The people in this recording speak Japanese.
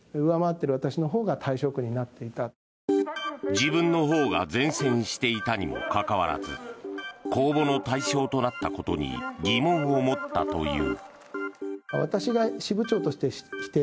自分のほうが善戦していたにもかかわらず公募の対象となったことに疑問を持ったという。